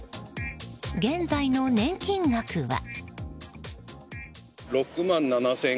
現在の年金額は。